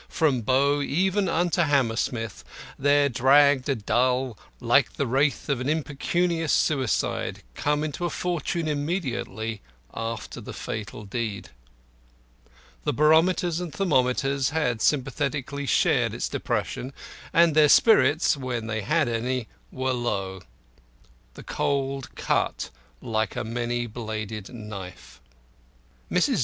From Bow even unto Hammersmith there draggled a dull, wretched vapour, like the wraith of an impecunious suicide come into a fortune immediately after the fatal deed. The barometers and thermometers had sympathetically shared its depression, and their spirits (when they had any) were low. The cold cut like a many bladed knife. Mrs.